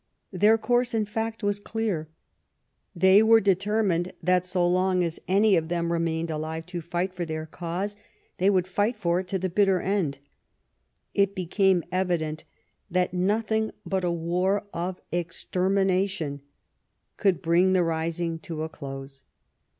Their course, in fact, was clear. They were determined that so long as any of them remained alive to fight for their cause, they would fight for it to the bitter end. It became evident that nothing but a war of extermination could bring the rising to a close.